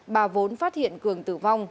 bà vốn phát hiện cường tử vong